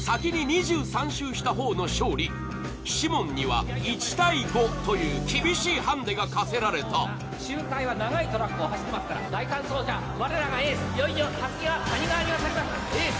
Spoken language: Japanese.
ルールはシモンには１対５という厳しいハンデが課せられた周回は長いトラックを走ってますから第３走者我らがエースいよいよたすきは谷川に渡りますエース